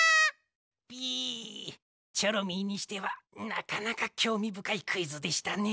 ピイチョロミーにしてはなかなかきょうみぶかいクイズでしたね。